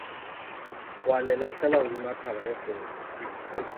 Wa le lahlela hodima thaba e kgolo.